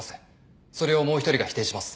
それをもう一人が否定します。